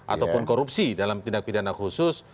ataupun korupsi dalam tindak pidana khusus